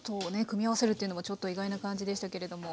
組み合わせるっていうのもちょっと意外な感じでしたけれども。